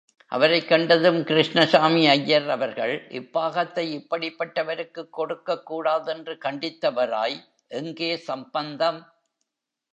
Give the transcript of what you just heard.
அவரைக் கண்டதும், கிருஷ்ணசாமி ஐயர் அவர்கள் இப் பாகத்தை இப்படிப்பட்ட வருக்குக் கொடுக்கக் கூடாதென்று கண்டித்தவராய் எங்கே சம்பந்தம்?